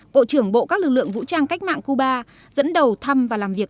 bộ trưởng bộ các lực lượng vũ trang cách mạng cuba dẫn đầu thăm và làm việc